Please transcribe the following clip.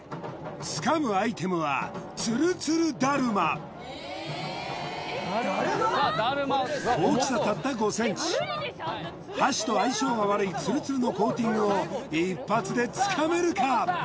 掴むアイテムは大きさたった５ｃｍ箸と相性が悪いツルツルのコーティングを一発で掴めるか？